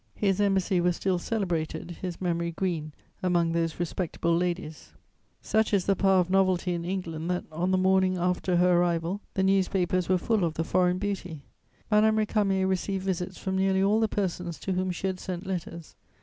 His embassy was still celebrated, his memory green among those respectable ladies. [Sidenote: Madame Récamier in London.] Such is the power of novelty in England that, on the morning after her arrival, the newspapers were full of the foreign beauty. Madame Récamier received visits from nearly all the persons to whom she had sent letters.